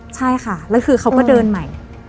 ใช่ค่ะแล้วคือเขาก็เดินใหม่